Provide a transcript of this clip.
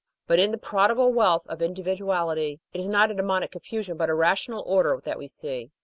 But in the prodigal wealth of individuality, it is not a daemonic confusion, but a rational order that we see.